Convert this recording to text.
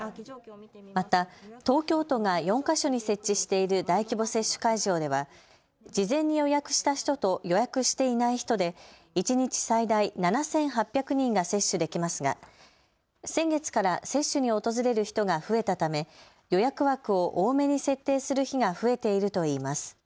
また東京都が４か所に設置している大規模接種会場では事前に予約した人と予約していない人で一日最大７８００人が接種できますが先月から接種に訪れる人が増えたため予約枠を多めに設定する日が増えているといいます。